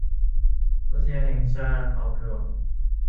อุทยานแห่งชาติออบหลวง